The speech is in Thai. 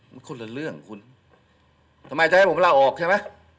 มันคนละเรื่องคุณทำไมจะให้ผมลาออกใช่ไหม